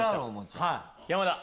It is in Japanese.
山田。